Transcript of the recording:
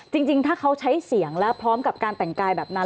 จริงถ้าเขาใช้เสียงแล้วพร้อมกับการแต่งกายแบบนั้น